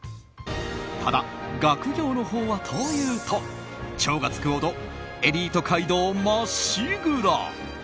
ただ学業のほうはというと超がつくほどエリート街道まっしぐら。